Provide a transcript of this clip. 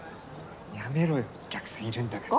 やめろよお客さんいるんだから。